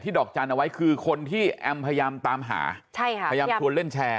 ดอกจันทร์เอาไว้คือคนที่แอมพยายามตามหาใช่ค่ะพยายามชวนเล่นแชร์